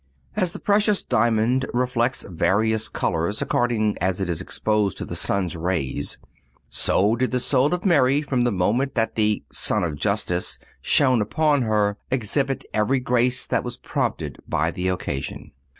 As the precious diamond reflects various colors according as it is exposed to the sun's rays, so did the soul of Mary, from the moment that the "Sun of Justice" shone upon her, exhibit every grace that was prompted by the occasion.